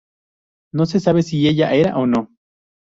No se sabe si ella era o no.